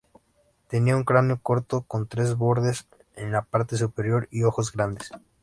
Tenía un cráneo corto con tres bordes en la parte superior y ojos grandes.